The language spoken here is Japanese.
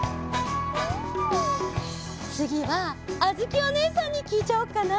つぎはあづきおねえさんにきいちゃおうかな。